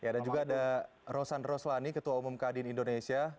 dan juga ada rosan roslani ketua umum kadin indonesia